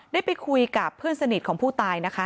ได้ไปคุยกับเพื่อนสนิทของผู้ตายนะคะ